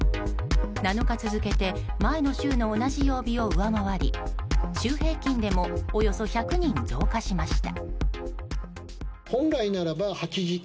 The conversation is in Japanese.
７日続けて前の週の同じ曜日を上回り週平均でもおよそ１００人増加しました。